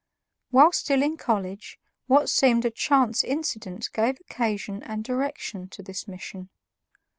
While still in college, what seemed a chance incident gave occasion and direction to this mission.